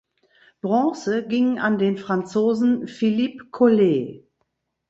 Bronze ging an den Franzosen Philippe Collet.